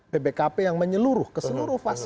bpkp yang menyeluruh ke seluruh fasilitas